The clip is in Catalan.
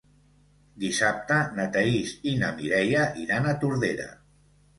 Dissabte na Thaís i na Mireia iran a Tordera.